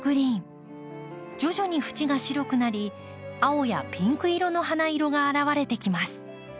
徐々に縁が白くなり青やピンク色の花色が現れてきます。